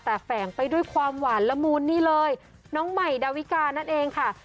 แต่แฝงไปด้วยความหวานละมูลนี่เลยน้องใหม่ดาวิกานั่นเองค่ะ